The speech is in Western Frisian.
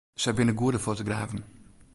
Sy binne goede fotografen.